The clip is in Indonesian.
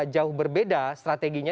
jauh berbeda strateginya